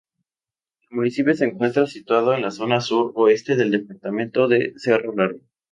El municipio se encuentra situado en la zona sur-oeste del departamento de Cerro Largo.